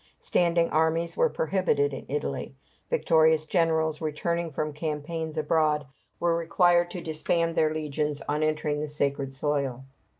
Standing armies were prohibited in Italy. Victorious generals returning from campaigns abroad were required to disband their legions on entering the sacred soil.